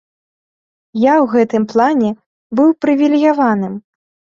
Я ў гэтым плане быў прывілеяваным.